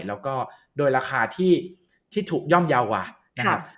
แล้วก็โดยราคาที่ถูกย่อมเยาว์กว่านะครับ